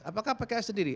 apakah pks sendiri